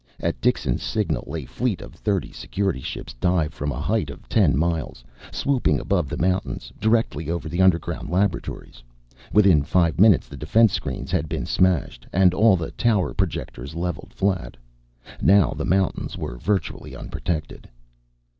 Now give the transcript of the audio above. At Dixon's signal a fleet of thirty Security ships dived from a height of ten miles, swooping above the mountains, directly over the underground laboratories. Within five minutes the defense screens had been smashed, and all the tower projectors leveled flat. Now the mountains were virtually unprotected.